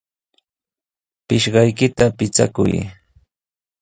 Pisqaykita pichakuy.